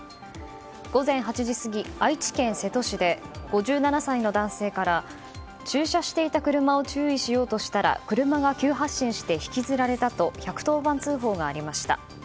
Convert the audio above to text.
午前８時過ぎ、愛知県瀬戸市で５７歳の男性から駐車していた車を注意しようとしたら車が急発進して引きずられたと１１０番通報がありました。